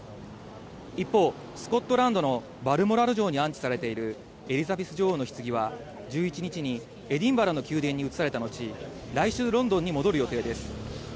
一方、スコットランドのバルモラル城に安置されているエリザベス女王のひつぎは、１１日にエディンバラの宮殿に移された後、来週、ロンドンに戻る予定です。